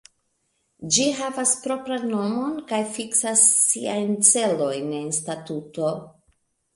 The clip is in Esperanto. Ĝi havas propran nomon kaj fiksas siajn celojn en statuto.